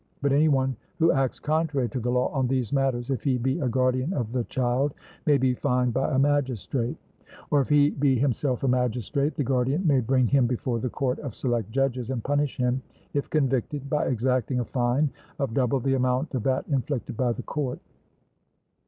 But any one who acts contrary to the law on these matters, if he be a guardian of the child, may be fined by a magistrate, or, if he be himself a magistrate, the guardian may bring him before the court of select judges, and punish him, if convicted, by exacting a fine of double the amount of that inflicted by the court.